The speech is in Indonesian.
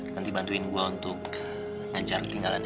nanti bantuin gue untuk ngajar ketinggalan